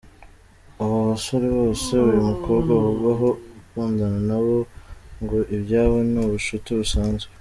Aba basore bose uyu mukobwa avugwaho gukundana na bo ngo ibyabo ni ubucuti busanzwe.